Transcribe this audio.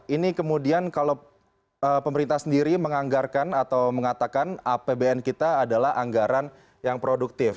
ini kemudian kalau pemerintah sendiri menganggarkan atau mengatakan apbn kita adalah anggaran yang produktif